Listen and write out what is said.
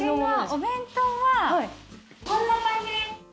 お弁当はこんな感じです。